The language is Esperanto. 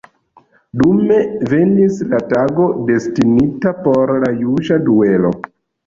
Dume venis la tago, destinita por la juĝa duelo.